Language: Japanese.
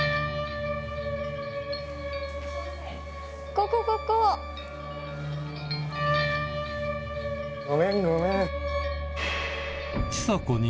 ここここ！ごめんごめん。